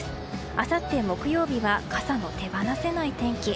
あさって木曜日は傘の手放せない天気。